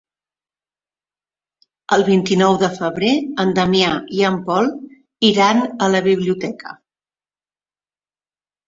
El vint-i-nou de febrer en Damià i en Pol iran a la biblioteca.